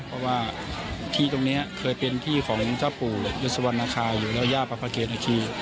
เพราะว่าที่ตรงนี้เคยเป็นที่ของเจ้าปู่ยศวรรณคาอยู่แล้วย่าประเกณฑี